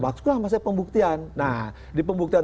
maksudnya masih pembuktian nah di pembuktian